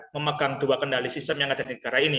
memegang dua kendali sistem yang ada di negara ini